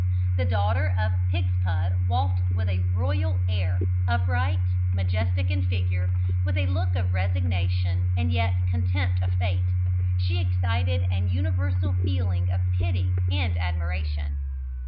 The daughter of Pigspud walked with a royal air upright, majestic in figure, with a look of resignation and yet contempt of fate she excited an universal feeling of pity and admiration.